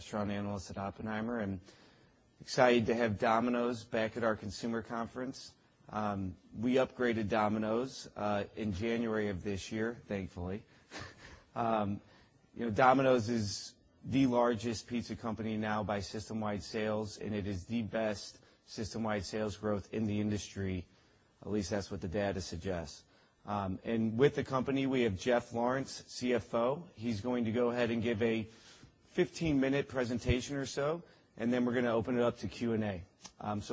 Restaurant analyst at Oppenheimer, excited to have Domino's back at our consumer conference. We upgraded Domino's in January of this year, thankfully. Domino's is the largest pizza company now by system-wide sales, it is the best system-wide sales growth in the industry. At least that's what the data suggests. With the company, we have Jeff Lawrence, CFO. He's going to go ahead and give a 15-minute presentation or so, we're going to open it up to Q&A.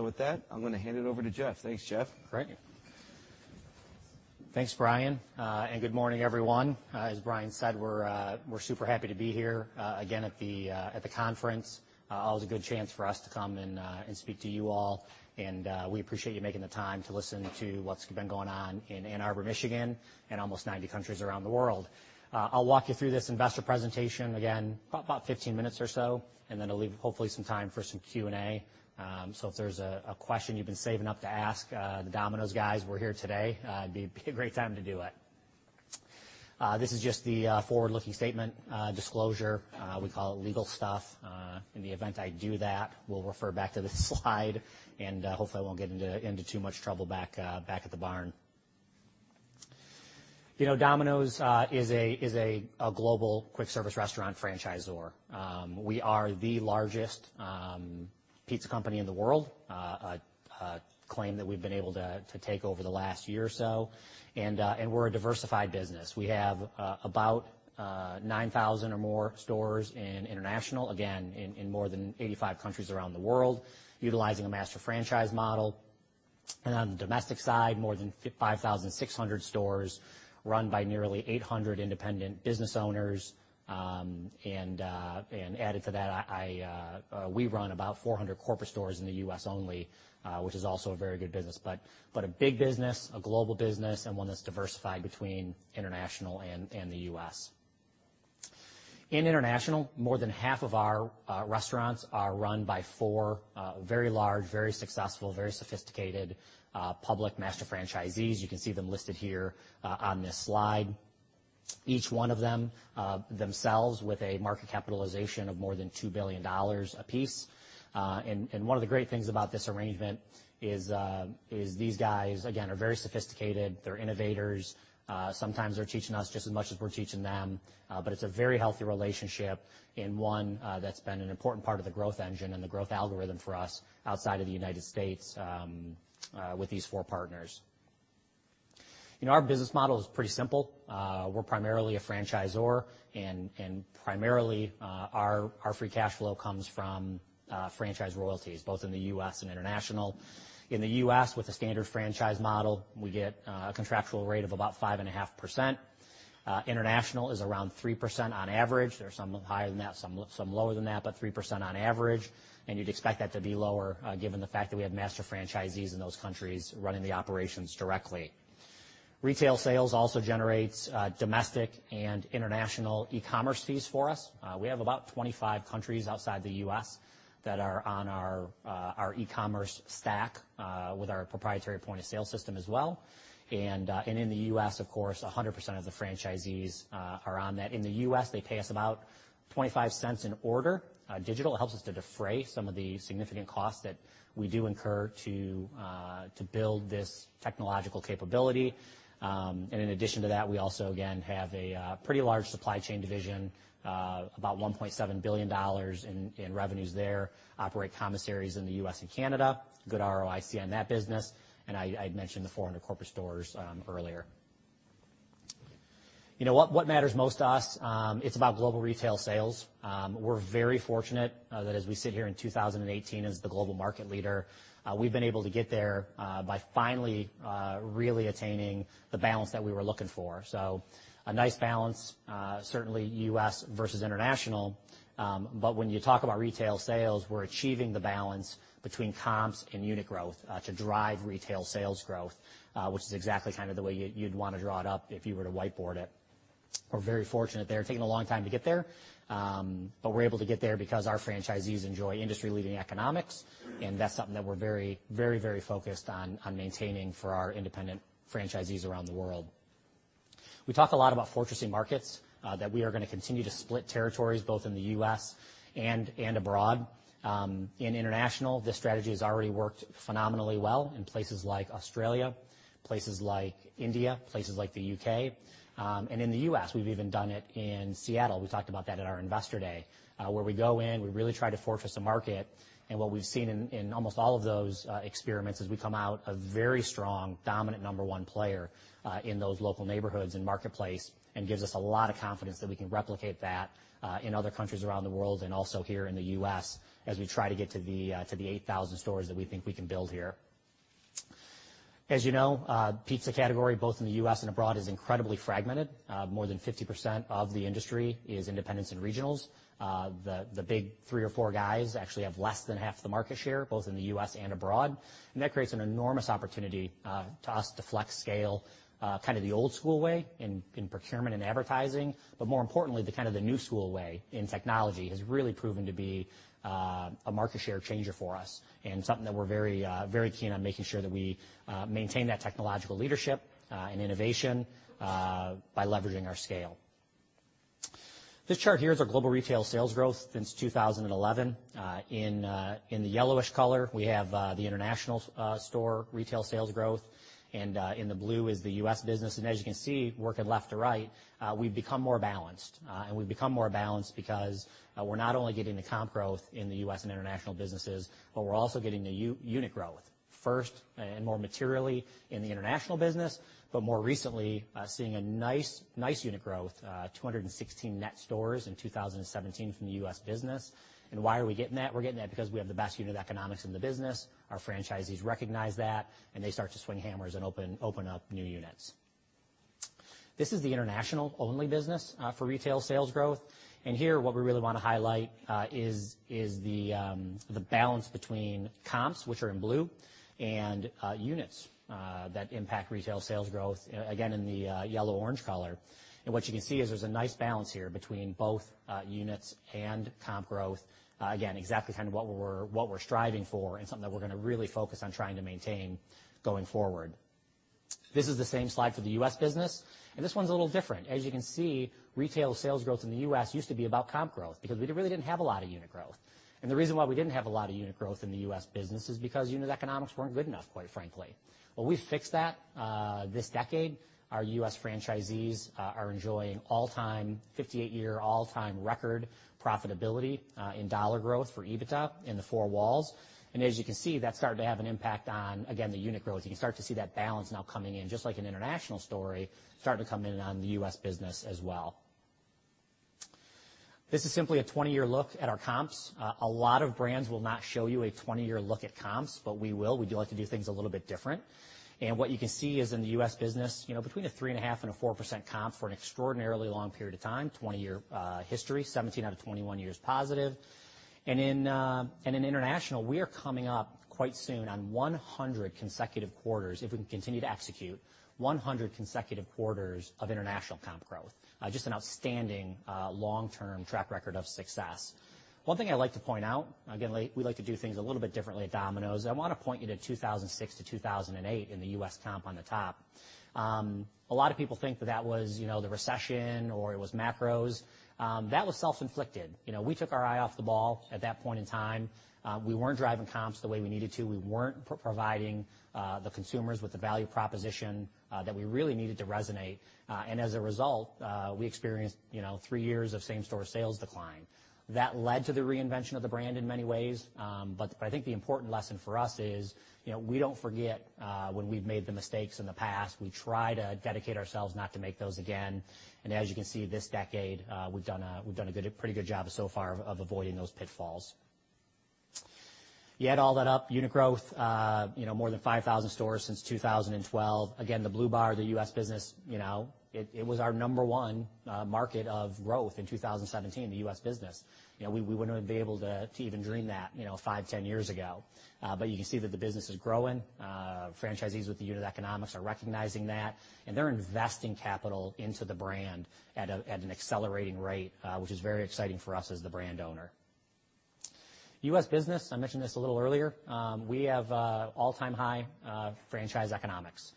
With that, I'm going to hand it over to Jeff. Thanks, Jeff. Great. Thanks, Brian. Good morning, everyone. As Brian said, we're super happy to be here again at the conference. Always a good chance for us to come and speak to you all. We appreciate you taking the time to listen to what's been going on in Ann Arbor, Michigan, and almost 90 countries around the world. I'll walk you through this investor presentation, again, about 15 minutes or so, it'll leave, hopefully, some time for some Q&A. If there's a question you've been saving up to ask the Domino's guys, we're here today. It'd be a great time to do it. This is just the forward-looking statement disclosure. We call it legal stuff. In the event I do that, we'll refer back to this slide, hopefully I won't get into too much trouble back at the barn. Domino's is a global quick-service restaurant franchisor. We are the largest pizza company in the world, a claim that we've been able to take over the last year or so. We're a diversified business. We have about 9,000 or more stores in international, again, in more than 85 countries around the world, utilizing a master franchise model. On the domestic side, more than 5,600 stores run by nearly 800 independent business owners. Added to that, we run about 400 corporate stores in the U.S. only, which is also a very good business. A big business, a global business, one that's diversified between international and the U.S. In international, more than half of our restaurants are run by four very large, very successful, very sophisticated public master franchisees. You can see them listed here on this slide. Each one of them, themselves, with a market capitalization of more than $2 billion apiece. One of the great things about this arrangement is these guys, again, are very sophisticated. They're innovators. Sometimes they're teaching us just as much as we're teaching them. It's a very healthy relationship and one that's been an important part of the growth engine and the growth algorithm for us outside of the United States with these four partners. Our business model is pretty simple. We're primarily a franchisor, primarily, our free cash flow comes from franchise royalties, both in the U.S. and international. In the U.S., with a standard franchise model, we get a contractual rate of about 5.5%. International is around 3% on average. There are some higher than that, some lower than that, but 3% on average. You'd expect that to be lower given the fact that we have master franchisees in those countries running the operations directly. Retail sales also generates domestic and international e-commerce fees for us. We have about 25 countries outside the U.S. that are on our e-commerce stack with our proprietary point-of-sale system as well. In the U.S., of course, 100% of the franchisees are on that. In the U.S., they pay us about $0.25 an order. Digital helps us to defray some of the significant costs that we do incur to build this technological capability. In addition to that, we also, again, have a pretty large supply chain division, about $1.7 billion in revenues there. Operate commissaries in the U.S. and Canada. Good ROIC on that business. I'd mentioned the 400 corporate stores earlier. What matters most to us, it's about global retail sales. We're very fortunate that as we sit here in 2018 as the global market leader, we've been able to get there by finally really attaining the balance that we were looking for. A nice balance, certainly U.S. versus international. When you talk about retail sales, we're achieving the balance between comps and unit growth to drive retail sales growth, which is exactly kind of the way you'd want to draw it up if you were to whiteboard it. We're very fortunate there. Taken a long time to get there. We're able to get there because our franchisees enjoy industry-leading economics, and that's something that we're very focused on maintaining for our independent franchisees around the world. We talk a lot about fortressing markets, that we are going to continue to split territories both in the U.S. and abroad. In international, this strategy has already worked phenomenally well in places like Australia, places like India, places like the U.K. In the U.S., we've even done it in Seattle. We talked about that at our investor day. Where we go in, we really try to fortress a market. What we've seen in almost all of those experiments is we come out a very strong, dominant number 1 player in those local neighborhoods and marketplace and gives us a lot of confidence that we can replicate that in other countries around the world and also here in the U.S. as we try to get to the 8,000 stores that we think we can build here. As you know, pizza category, both in the U.S. and abroad, is incredibly fragmented. More than 50% of the industry is independents and regionals. The big three or four guys actually have less than half the market share, both in the U.S. and abroad. That creates an enormous opportunity to us to flex scale kind of the old school way in procurement and advertising. More importantly, the kind of the new school way in technology has really proven to be a market share changer for us and something that we're very keen on making sure that we maintain that technological leadership and innovation by leveraging our scale. This chart here is our global retail sales growth since 2011. In the yellowish color, we have the international store retail sales growth, and in the blue is the U.S. business. As you can see, working left to right, we've become more balanced. We've become more balanced because we're not only getting the comp growth in the U.S. and international businesses, but we're also getting the unit growth. First, and more materially in the international business, but more recently, seeing a nice unit growth, 216 net stores in 2017 from the U.S. business. Why are we getting that? We're getting that because we have the best unit economics in the business. Our franchisees recognize that, and they start to swing hammers and open up new units. This is the international only business for retail sales growth. Here, what we really want to highlight is the balance between comps, which are in blue, and units that impact retail sales growth, again, in the yellow-orange color. What you can see is there's a nice balance here between both units and comp growth. Again, exactly what we're striving for and something that we're going to really focus on trying to maintain going forward. This is the same slide for the U.S. business, and this one's a little different. As you can see, retail sales growth in the U.S. used to be about comp growth because we really didn't have a lot of unit growth. The reason why we didn't have a lot of unit growth in the U.S. business is because unit economics weren't good enough, quite frankly. We've fixed that this decade. Our U.S. franchisees are enjoying all-time, 58-year, all-time record profitability in dollar growth for EBITDA in the four walls. As you can see, that's starting to have an impact on, again, the unit growth. You can start to see that balance now coming in, just like an international story starting to come in on the U.S. business as well. This is simply a 20-year look at our comps. A lot of brands will not show you a 20-year look at comps, but we will. We do like to do things a little bit different. What you can see is in the U.S. business, between a 3.5% and a 4% comp for an extraordinarily long period of time, 20-year history, 17 out of 21 years positive. In international, we are coming up quite soon on 100 consecutive quarters, if we can continue to execute, 100 consecutive quarters of international comp growth. Just an outstanding long-term track record of success. One thing I'd like to point out, again, we like to do things a little bit differently at Domino's. I want to point you to 2006 to 2008 in the U.S. comp on the top. A lot of people think that was the recession or it was macros. That was self-inflicted. We took our eye off the ball at that point in time. We weren't driving comps the way we needed to. We weren't providing the consumers with the value proposition that we really needed to resonate. As a result, we experienced three years of same-store sales decline. That led to the reinvention of the brand in many ways, but I think the important lesson for us is, we don't forget when we've made the mistakes in the past. We try to dedicate ourselves not to make those again. As you can see, this decade, we've done a pretty good job so far of avoiding those pitfalls. You add all that up, unit growth, more than 5,000 stores since 2012. Again, the blue bar, the U.S. business, it was our number one market of growth in 2017, the U.S. business. We wouldn't have been able to even dream that five, 10 years ago. You can see that the business is growing. Franchisees with the unit economics are recognizing that, and they're investing capital into the brand at an accelerating rate, which is very exciting for us as the brand owner. U.S. business, I mentioned this a little earlier. We have all-time high franchise economics.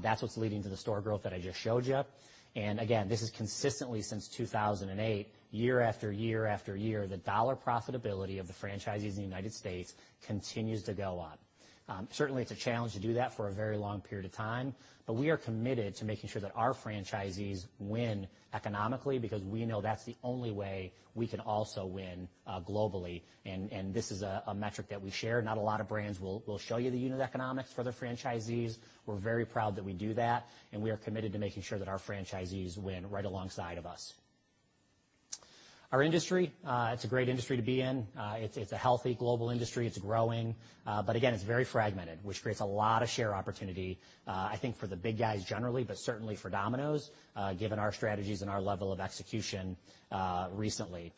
That's what's leading to the store growth that I just showed you. And again, this is consistently since 2008, year after year after year, the dollar profitability of the franchisees in the United States continues to go up. Certainly, it's a challenge to do that for a very long period of time, but we are committed to making sure that our franchisees win economically because we know that's the only way we can also win globally. This is a metric that we share. Not a lot of brands will show you the unit economics for their franchisees. We're very proud that we do that, and we are committed to making sure that our franchisees win right alongside of us. Our industry, it's a great industry to be in. It's a healthy global industry. It's growing. Again, it's very fragmented, which creates a lot of share opportunity, I think for the big guys generally, but certainly for Domino's, given our strategies and our level of execution recently.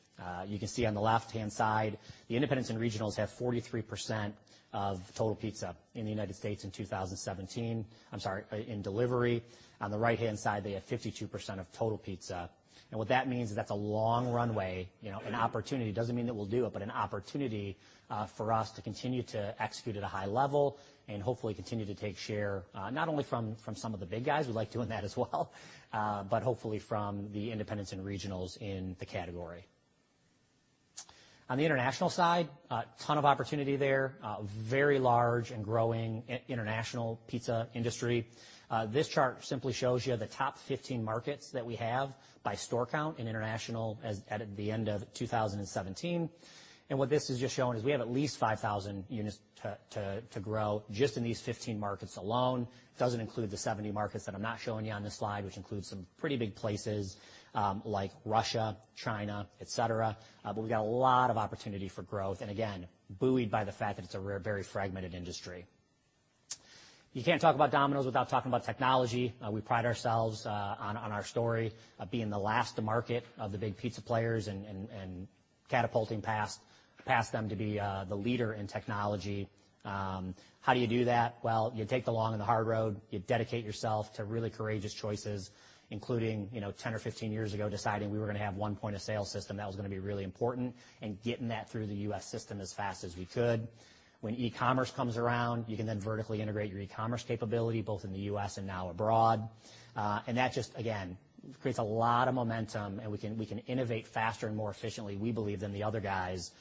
You can see on the left-hand side, the independents and regionals have 43% of total pizza in the United States in 2017. I'm sorry, in delivery. On the right-hand side, they have 52% of total pizza. What that means is that's a long runway, an opportunity. Doesn't mean that we'll do it, but an opportunity for us to continue to execute at a high level and hopefully continue to take share, not only from some of the big guys, we like doing that as well, but hopefully from the independents and regionals in the category. On the international side, a ton of opportunity there. Very large and growing international pizza industry. This chart simply shows you the top 15 markets that we have by store count in international at the end of 2017. What this is just showing is we have at least 5,000 units to grow just in these 15 markets alone. Doesn't include the 70 markets that I'm not showing you on this slide, which includes some pretty big places like Russia, China, et cetera. We've got a lot of opportunity for growth, and again, buoyed by the fact that it's a very fragmented industry. You can't talk about Domino's without talking about technology. We pride ourselves on our story of being the last to market of the big pizza players and catapulting past them to be the leader in technology. How do you do that? Well, you take the long and the hard road. You dedicate yourself to really courageous choices, including, 10 or 15 years ago, deciding we were going to have one point-of-sale system. That was going to be really important in getting that through the U.S. system as fast as we could. When e-commerce comes around, you can then vertically integrate your e-commerce capability, both in the U.S. and now abroad. It creates a lot of momentum, and we can innovate faster and more efficiently, we believe, than the other guys.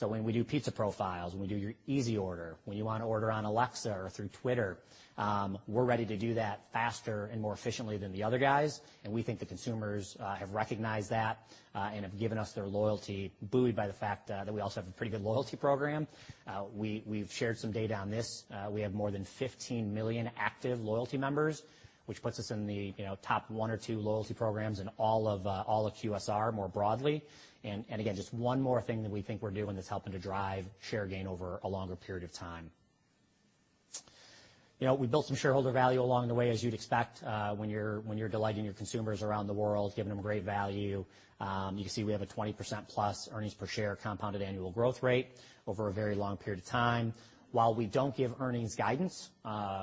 When we do Pizza Profile, when we do your Easy Order, when you want to order on Alexa or through Twitter, we're ready to do that faster and more efficiently than the other guys. We think the consumers have recognized that and have given us their loyalty, buoyed by the fact that we also have a pretty good loyalty program. We've shared some data on this. We have more than 15 million active loyalty members, which puts us in the top one or two loyalty programs in all of QSR more broadly. One more thing that we think we're doing that's helping to drive share gain over a longer period of time. We built some shareholder value along the way, as you'd expect when you're delighting your consumers around the world, giving them great value. You can see we have a 20%+ earnings per share compounded annual growth rate over a very long period of time. While we don't give earnings guidance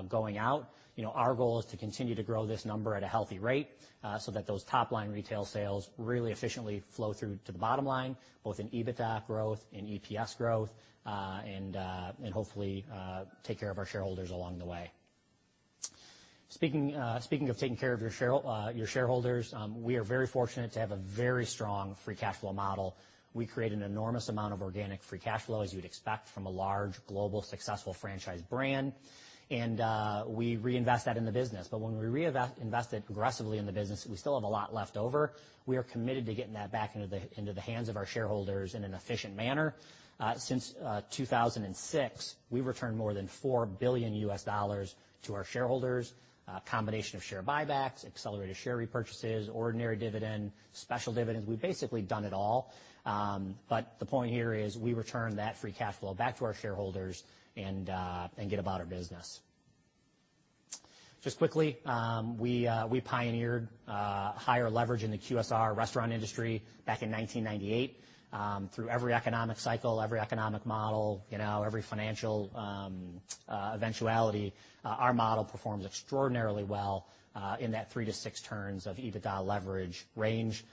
going out, our goal is to continue to grow this number at a healthy rate so that those top-line retail sales really efficiently flow through to the bottom line, both in EBITDA growth and EPS growth, hopefully take care of our shareholders along the way. Speaking of taking care of your shareholders, we are very fortunate to have a very strong free cash flow model. We create an enormous amount of organic free cash flow, as you'd expect from a large, global, successful franchise brand, we reinvest that in the business. When we reinvest it aggressively in the business, we still have a lot left over. We are committed to getting that back into the hands of our shareholders in an efficient manner. Since 2006, we've returned more than $4 billion to our shareholders, a combination of share buybacks, accelerated share repurchases, ordinary dividend, special dividends. We've basically done it all. The point here is we return that free cash flow back to our shareholders and get about our business. Just quickly, we pioneered higher leverage in the QSR restaurant industry back in 1998. Through every economic cycle, every economic model, every financial eventuality, our model performs extraordinarily well in that three to six turns of EBITDA leverage range.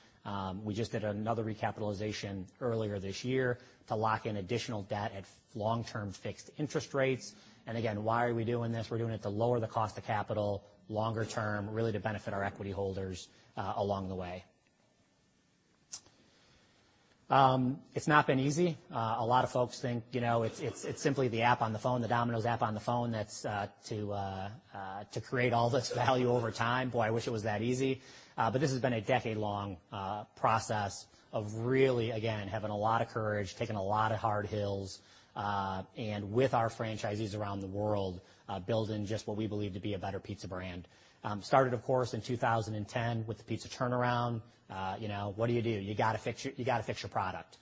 We just did another recapitalization earlier this year to lock in additional debt at long-term fixed interest rates. Why are we doing this? We're doing it to lower the cost of capital longer term, really to benefit our equity holders along the way. It's not been easy. A lot of folks think it's simply the app on the phone, the Domino's app on the phone, that's to create all this value over time. Boy, I wish it was that easy. This has been a decade-long process of really, having a lot of courage, taking a lot of hard hills, with our franchisees around the world, building just what we believe to be a better pizza brand. Started, of course, in 2010 with the pizza turnaround. What do you do? You got to fix your product.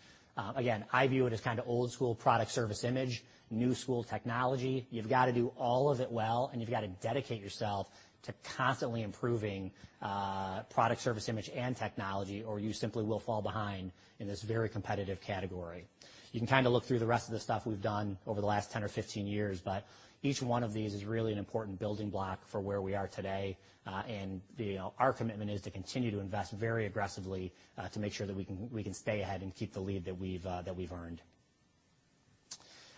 Again, I view it as kind of old school product service image, new school technology. You've got to do all of it well, and you've got to dedicate yourself to constantly improving product service image and technology, or you simply will fall behind in this very competitive category. You can kind of look through the rest of the stuff we've done over the last 10 or 15 years, but each one of these is really an important building block for where we are today. Our commitment is to continue to invest very aggressively to make sure that we can stay ahead and keep the lead that we've earned.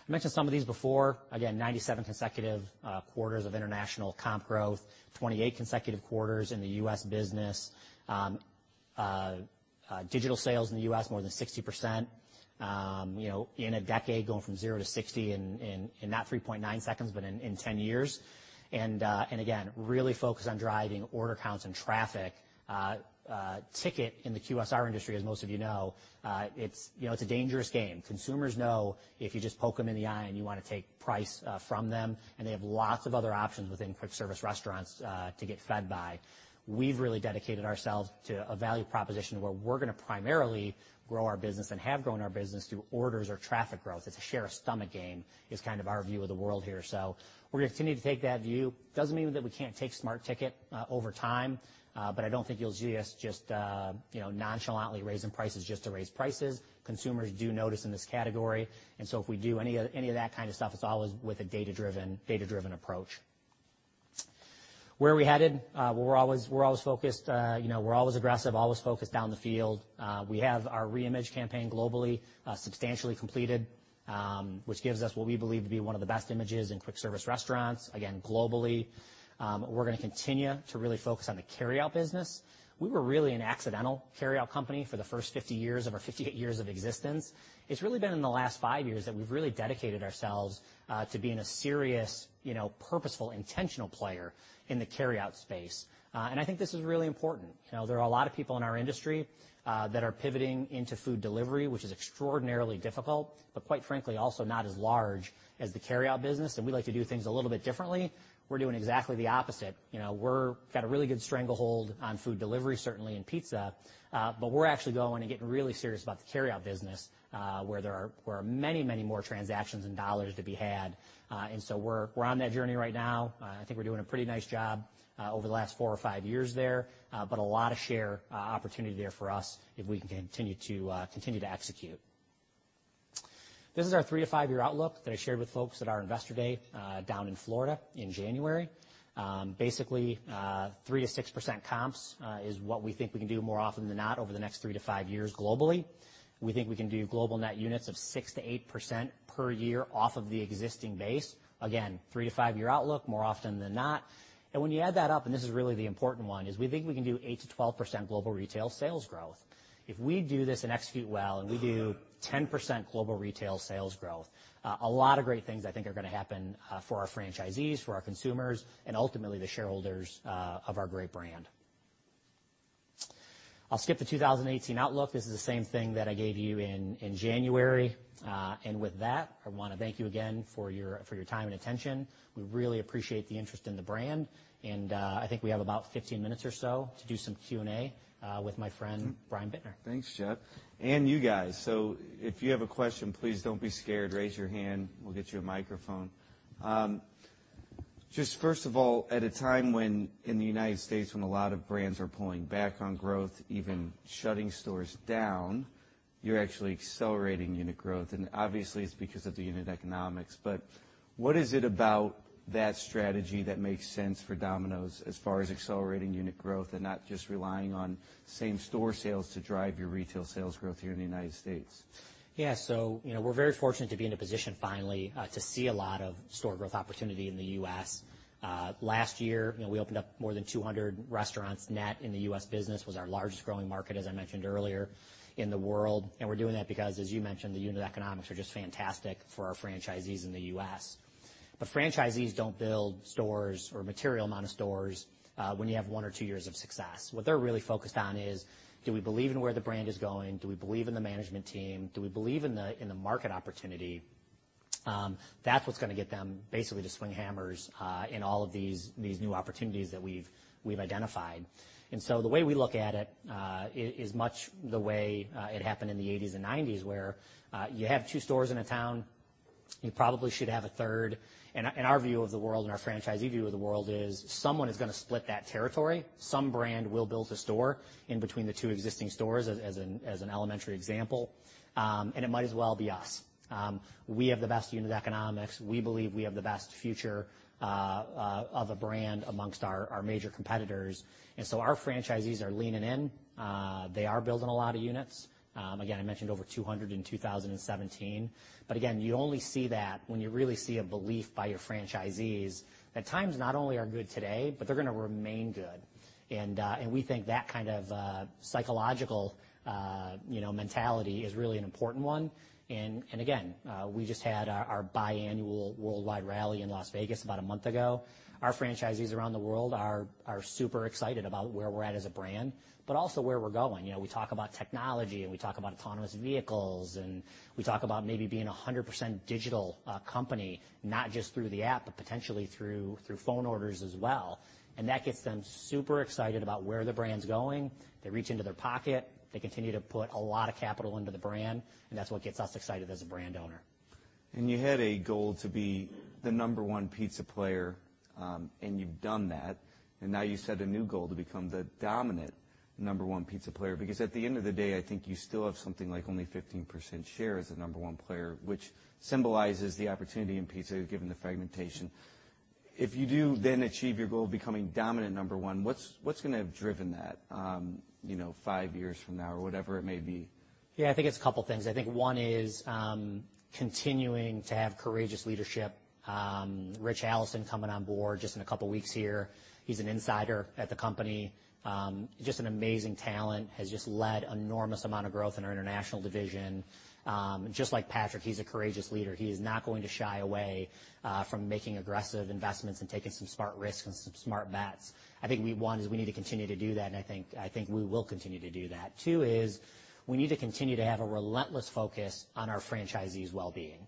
I mentioned some of these before. Again, 97 consecutive quarters of international comp growth, 28 consecutive quarters in the U.S. business. Digital sales in the U.S., more than 60%. In a decade, going from zero to 60 in not 3.9 seconds, but in 10 years. Again, really focused on driving order counts and traffic. Ticket in the QSR industry, as most of you know, it's a dangerous game. Consumers know if you just poke them in the eye and you want to take price from them, and they have lots of other options within quick service restaurants to get fed by. We've really dedicated ourselves to a value proposition where we're going to primarily grow our business and have grown our business through orders or traffic growth. It's a share a stomach game is kind of our view of the world here. We're going to continue to take that view. Doesn't mean that we can't take smart ticket over time, but I don't think you'll see us just nonchalantly raising prices just to raise prices. Consumers do notice in this category. If we do any of that kind of stuff, it's always with a data-driven approach. Where are we headed? We're always focused. We're always aggressive, always focused down the field. We have our reimage campaign globally, substantially completed, which gives us what we believe to be one of the best images in quick service restaurants, again, globally. We're going to continue to really focus on the carryout business. We were really an accidental carryout company for the first 50 years of our 58 years of existence. It's really been in the last five years that we've really dedicated ourselves to being a serious, purposeful, intentional player in the carryout space. I think this is really important. There are a lot of people in our industry that are pivoting into food delivery, which is extraordinarily difficult, but quite frankly, also not as large as the carryout business, and we like to do things a little bit differently. We're doing exactly the opposite. We've got a really good stranglehold on food delivery, certainly in pizza, but we're actually going and getting really serious about the carryout business, where there are many, many more transactions and dollars to be had. We're on that journey right now. I think we're doing a pretty nice job over the last four or five years there, but a lot of share opportunity there for us if we can continue to execute. This is our three- to five-year outlook that I shared with folks at our investor day down in Florida in January. We think 3%-6% comps is what we can do more often than not over the next three to five years globally. We think we can do global net units of 6%-8% per year off of the existing base. Again, three- to five-year outlook, more often than not. When you add that up, and this is really the important one, is we think we can do 8%-12% global retail sales growth. If we do this and execute well, we do 10% global retail sales growth, a lot of great things, I think, are going to happen for our franchisees, for our consumers, and ultimately the shareholders of our great brand. I'll skip the 2018 outlook. This is the same thing that I gave you in January. With that, I want to thank you again for your time and attention. We really appreciate the interest in the brand. I think we have about 15 minutes or so to do some Q&A with my friend Brian Bittner. Thanks, Jeff, and you guys. If you have a question, please don't be scared. Raise your hand. We'll get you a microphone. Just first of all, at a time when in the U.S., when a lot of brands are pulling back on growth, even shutting stores down, you're actually accelerating unit growth. Obviously, it's because of the unit economics. What is it about that strategy that makes sense for Domino's as far as accelerating unit growth and not just relying on same-store sales to drive your retail sales growth here in the U.S.? Yeah. We're very fortunate to be in a position finally to see a lot of store growth opportunity in the U.S. Last year, we opened up more than 200 restaurants net in the U.S. business. Was our largest growing market, as I mentioned earlier, in the world. We're doing that because, as you mentioned, the unit economics are just fantastic for our franchisees in the U.S. Franchisees don't build stores or material amount of stores when you have one or two years of success. What they're really focused on is: Do we believe in where the brand is going? Do we believe in the management team? Do we believe in the market opportunity? That's what's going to get them basically to swing hammers in all of these new opportunities that we've identified. The way we look at it is much the way it happened in the '80s and '90s, where you have two stores in a town, you probably should have a third. Our view of the world and our franchisee view of the world is someone is going to split that territory. Some brand will build a store in between the two existing stores as an elementary example, it might as well be us. We have the best unit economics. We believe we have the best future of a brand amongst our major competitors. Our franchisees are leaning in. They are building a lot of units. Again, I mentioned over 200 in 2017. Again, you only see that when you really see a belief by your franchisees that times not only are good today, but they're going to remain good. We think that kind of psychological mentality is really an important one. Again, we just had our biannual worldwide rally in Las Vegas about a month ago. Our franchisees around the world are super excited about where we're at as a brand, but also where we're going. We talk about technology, we talk about autonomous vehicles, we talk about maybe being a 100% digital company, not just through the app, but potentially through phone orders as well. That gets them super excited about where the brand's going. They reach into their pocket. They continue to put a lot of capital into the brand, that's what gets us excited as a brand owner. You had a goal to be the number one pizza player, you've done that. Now you set a new goal to become the dominant number one pizza player. At the end of the day, I think you still have something like only 15% share as the number one player, which symbolizes the opportunity in pizza given the fragmentation. If you do then achieve your goal of becoming dominant number one, what's going to have driven that five years from now or whatever it may be? Yeah. I think it's a couple things. I think one is continuing to have courageous leadership. Rich Allison coming on board just in a couple of weeks here. He's an insider at the company. Just an amazing talent. Has just led enormous amount of growth in our international division. Just like Patrick, he's a courageous leader. He is not going to shy away from making aggressive investments and taking some smart risks and some smart bets. I think one is we need to continue to do that, I think we will continue to do that. Two is we need to continue to have a relentless focus on our franchisees' well-being.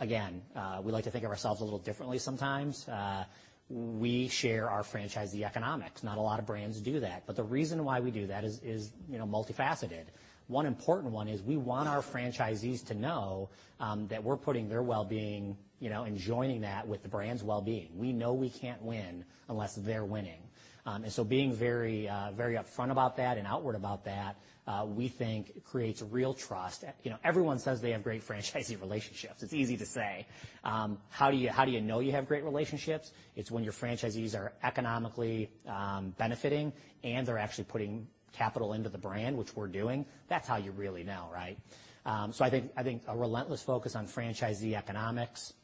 Again, we like to think of ourselves a little differently sometimes. We share our franchisee economics. Not a lot of brands do that. The reason why we do that is multifaceted. We want our franchisees to know that we're putting their well-being and joining that with the brand's well-being. We know we can't win unless they're winning. Being very upfront about that and outward about that, we think creates real trust. Everyone says they have great franchisee relationships. It's easy to say. How do you know you have great relationships? It's when your franchisees are economically benefiting and they're actually putting capital into the brand, which we're doing. That's how you really know, right? I think a relentless focus on franchisee economics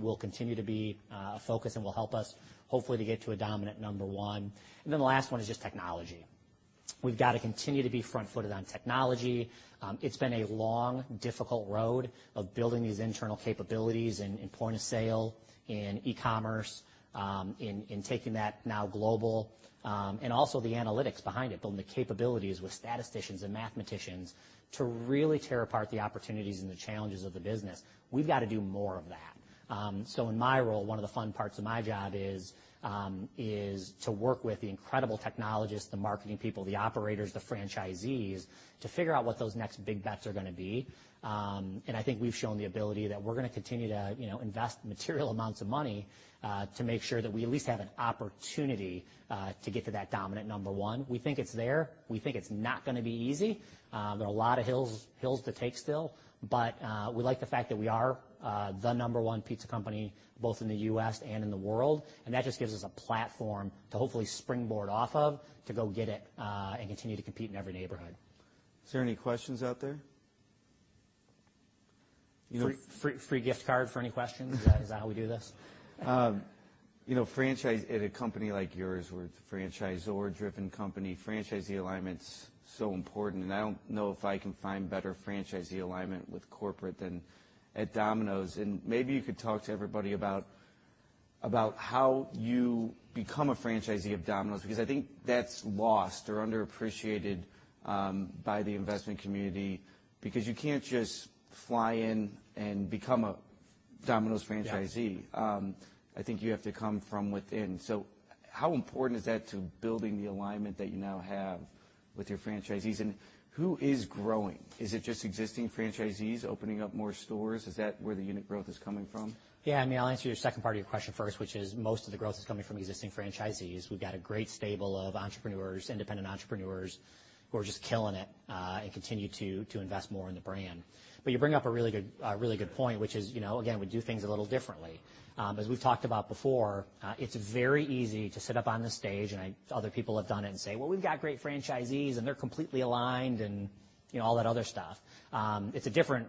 will continue to be a focus and will help us hopefully to get to a dominant number one. The last one is just technology. We've got to continue to be front-footed on technology. It's been a long, difficult road of building these internal capabilities in point-of-sale, in e-commerce, in taking that now global. The analytics behind it, building the capabilities with statisticians and mathematicians to really tear apart the opportunities and the challenges of the business. We've got to do more of that. In my role, one of the fun parts of my job is to work with the incredible technologists, the marketing people, the operators, the franchisees, to figure out what those next big bets are going to be. I think we've shown the ability that we're going to continue to invest material amounts of money to make sure that we at least have an opportunity to get to that dominant number one. We think it's there. We think it's not going to be easy. There are a lot of hills to take still, we like the fact that we are the number one pizza company, both in the U.S. and in the world, that just gives us a platform to hopefully springboard off of to go get it and continue to compete in every neighborhood. Is there any questions out there? Free gift card for any questions? Is that how we do this? At a company like yours where it's a franchisor-driven company, franchisee alignment's so important. I don't know if I can find better franchisee alignment with corporate than at Domino's. Maybe you could talk to everybody about how you become a franchisee of Domino's, because I think that's lost or underappreciated by the investment community, because you can't just fly in and become a Domino's franchisee. Yeah. I think you have to come from within. How important is that to building the alignment that you now have with your franchisees, and who is growing? Is it just existing franchisees opening up more stores? Is that where the unit growth is coming from? Yeah. I'll answer your second part of your question first, which is most of the growth is coming from existing franchisees. We've got a great stable of entrepreneurs, independent entrepreneurs, who are just killing it, and continue to invest more in the brand. You bring up a really good point, which is, again, we do things a little differently. As we've talked about before, it's very easy to sit up on the stage, and other people have done it, and say, "Well, we've got great franchisees, and they're completely aligned," and all that other stuff. It's a different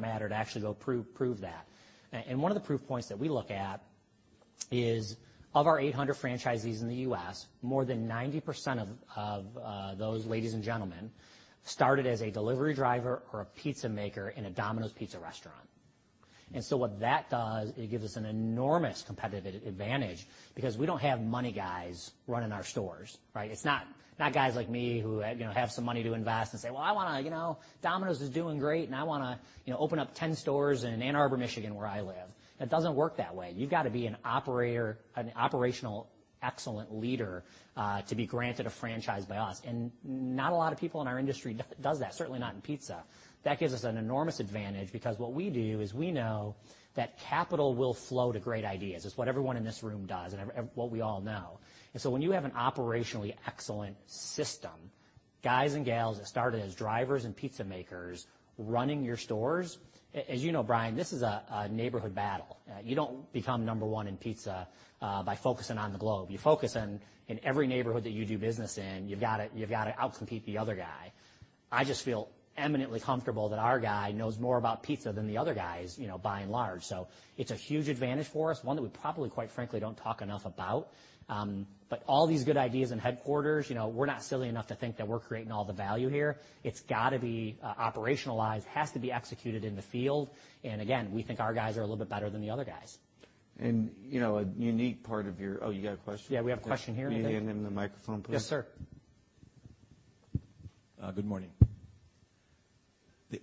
matter to actually go prove that. One of the proof points that we look at is of our 800 franchisees in the U.S., more than 90% of those ladies and gentlemen started as a delivery driver or a pizza maker in a Domino's Pizza restaurant. What that does, it gives us an enormous competitive advantage because we don't have money guys running our stores. Right? It's not guys like me who have some money to invest and say, "Well, Domino's is doing great, and I want to open up 10 stores in Ann Arbor, Michigan, where I live." It doesn't work that way. You've got to be an operational excellent leader, to be granted a franchise by us, and not a lot of people in our industry does that, certainly not in pizza. That gives us an enormous advantage because what we do is we know that capital will flow to great ideas. It's what everyone in this room does, and what we all know. When you have an operationally excellent system, guys and gals that started as drivers and pizza makers running your stores. As you know, Brian, this is a neighborhood battle. You don't become number one in pizza by focusing on the globe. You focus in every neighborhood that you do business in. You've got to out-compete the other guy. I just feel eminently comfortable that our guy knows more about pizza than the other guys by and large. It's a huge advantage for us, one that we probably, quite frankly, don't talk enough about. All these good ideas in headquarters, we're not silly enough to think that we're creating all the value here. It's got to be operationalized. It has to be executed in the field. Again, we think our guys are a little bit better than the other guys. A unique part of your-- Oh, you got a question? Yeah, we have a question here I think. Can you hand him the microphone, please? Yes, sir. Good morning. The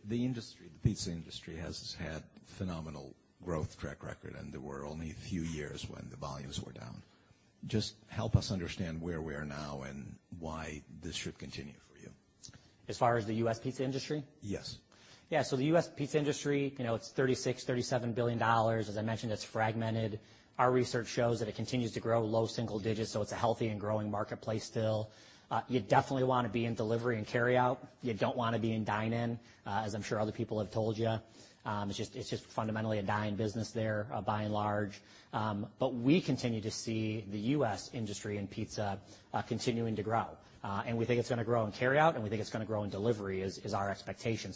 pizza industry has had phenomenal growth track record, there were only a few years when the volumes were down. Just help us understand where we are now and why this should continue for you. As far as the U.S. pizza industry? Yes. The U.S. pizza industry, it's $36 billion-$37 billion. As I mentioned, it's fragmented. Our research shows that it continues to grow low single digits, it's a healthy and growing marketplace still. You definitely want to be in delivery and carryout. You don't want to be in dine-in, as I'm sure other people have told you. It's just fundamentally a dying business there, by and large. We continue to see the U.S. industry and pizza continuing to grow. We think it's going to grow in carryout, and we think it's going to grow in delivery is our expectation.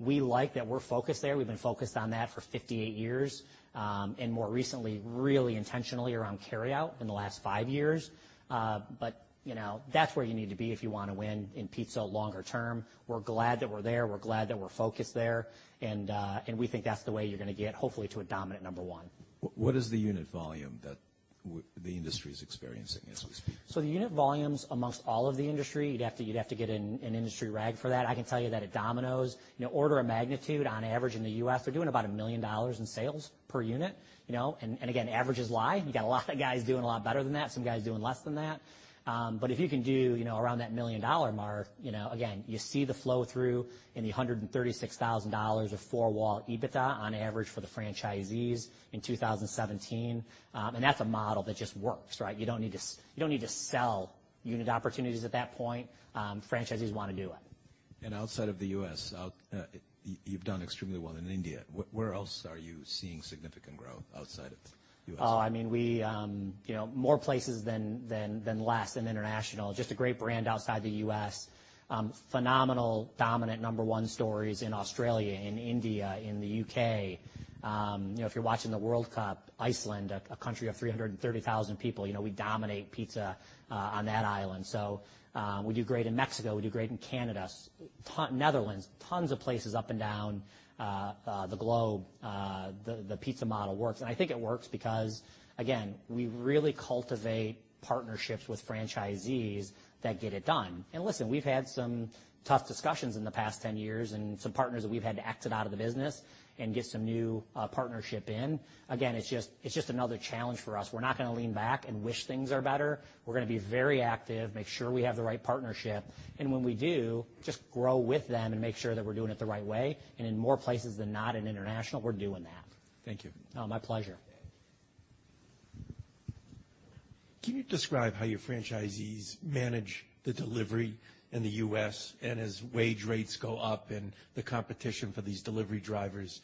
We like that we're focused there. We've been focused on that for 58 years. More recently, really intentionally around carryout in the last five years. That's where you need to be if you want to win in pizza longer term. We're glad that we're there. We're glad that we're focused there. We think that's the way you're going to get, hopefully, to a dominant number one. What is the unit volume that the industry's experiencing as we speak? The unit volumes amongst all of the industry, you'd have to get an industry rag for that. I can tell you that at Domino's, order of magnitude on average in the U.S., they're doing about $1 million in sales per unit. Again, averages lie. You got a lot of guys doing a lot better than that, some guys doing less than that. If you can do around that million-dollar mark, again, you see the flow-through in the $136,000 of four-wall EBITDA on average for the franchisees in 2017. That's a model that just works, right? You don't need to sell unit opportunities at that point. Franchisees want to do it. Outside of the U.S., you've done extremely well in India. Where else are you seeing significant growth outside of the U.S.? More places than less in international. Just a great brand outside the U.S. Phenomenal dominant number one stories in Australia, in India, in the U.K. If you're watching the World Cup, Iceland, a country of 330,000 people, we dominate pizza on that island. We do great in Mexico. We do great in Canada, Netherlands, tons of places up and down the globe. The pizza model works. I think it works because, again, we really cultivate partnerships with franchisees that get it done. Listen, we've had some tough discussions in the past 10 years and some partners that we've had to exit out of the business and get some new partnership in. Again, it's just another challenge for us. We're not going to lean back and wish things are better. We're going to be very active, make sure we have the right partnership, and when we do, just grow with them and make sure that we're doing it the right way. In more places than not in international, we're doing that. Thank you. Oh, my pleasure. Can you describe how your franchisees manage the delivery in the U.S.? As wage rates go up and the competition for these delivery drivers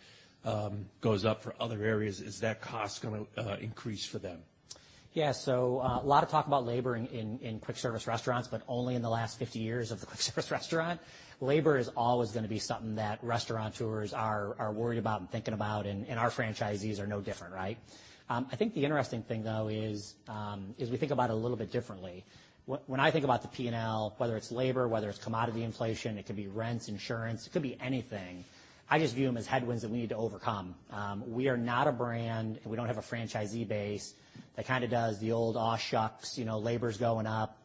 goes up for other areas, is that cost going to increase for them? Yeah. A lot of talk about labor in quick service restaurants, but only in the last 50 years of the quick service restaurant. Labor is always going to be something that restaurateurs are worried about and thinking about, and our franchisees are no different, right? I think the interesting thing, though, is we think about it a little bit differently. When I think about the P&L, whether it's labor, whether it's commodity inflation, it could be rents, insurance, it could be anything. I just view them as headwinds that we need to overcome. We are not a brand, and we don't have a franchisee base that kind of does the old, "Aw, shucks, labor's going up.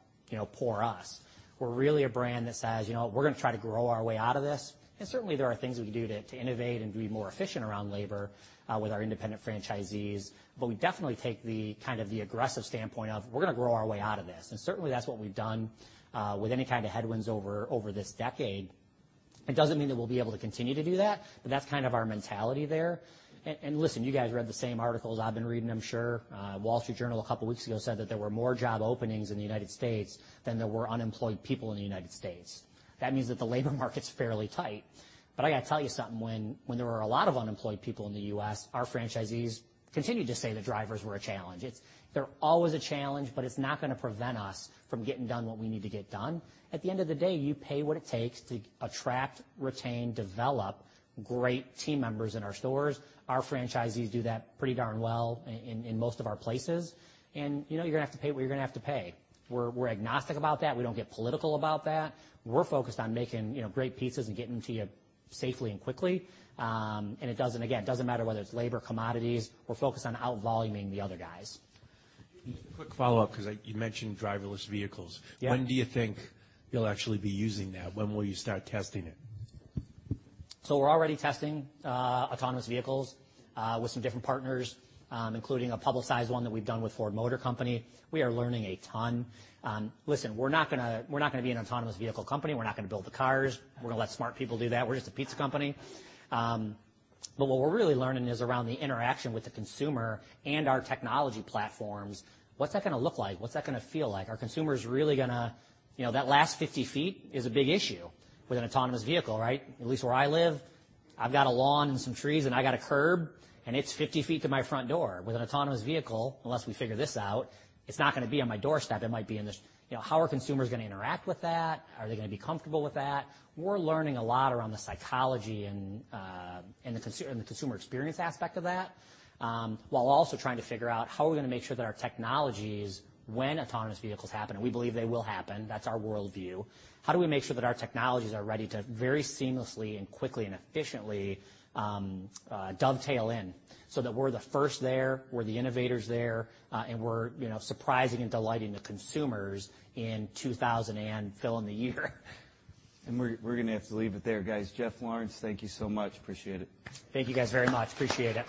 Poor us." We're really a brand that says, "We're going to try to grow our way out of this." Certainly, there are things we can do to innovate and be more efficient around labor, with our independent franchisees. We definitely take the aggressive standpoint of we're going to grow our way out of this. Certainly, that's what we've done with any kind of headwinds over this decade. It doesn't mean that we'll be able to continue to do that, but that's kind of our mentality there. Listen, you guys read the same articles I've been reading, I'm sure. Wall Street Journal a couple of weeks ago said that there were more job openings in the United States than there were unemployed people in the United States. That means that the labor market's fairly tight. I got to tell you something. When there were a lot of unemployed people in the U.S., our franchisees continued to say that drivers were a challenge. They're always a challenge, but it's not going to prevent us from getting done what we need to get done. At the end of the day, you pay what it takes to attract, retain, develop great team members in our stores. Our franchisees do that pretty darn well in most of our places, and you're going to have to pay what you're going to have to pay. We're agnostic about that. We don't get political about that. We're focused on making great pizzas and getting them to you safely and quickly. It doesn't matter whether it's labor, commodities, we're focused on out-voluming the other guys. Just a quick follow-up because you mentioned driverless vehicles. Yeah. When do you think you'll actually be using that? When will you start testing it? We're already testing autonomous vehicles with some different partners, including a publicized one that we've done with Ford Motor Company. We are learning a ton. Listen, we're not going to be an autonomous vehicle company. We're not going to build the cars. We're going to let smart people do that. We're just a pizza company. What we're really learning is around the interaction with the consumer and our technology platforms. What's that going to look like? What's that going to feel like? Are consumers really going to. That last 50 feet is a big issue with an autonomous vehicle, right? At least where I live, I've got a lawn and some trees, and I got a curb, and it's 50 feet to my front door. With an autonomous vehicle, unless we figure this out, it's not going to be on my doorstep. How are consumers going to interact with that? Are they going to be comfortable with that? We're learning a lot around the psychology and the consumer experience aspect of that, while also trying to figure out how we're going to make sure that our technologies, when autonomous vehicles happen, and we believe they will happen. That's our worldview. How do we make sure that our technologies are ready to very seamlessly and quickly and efficiently dovetail in so that we're the first there, we're the innovators there, and we're surprising and delighting the consumers in 2000 and fill in the year? We're going to have to leave it there, guys. Jeff Lawrence, thank you so much. Appreciate it. Thank you guys very much. Appreciate it.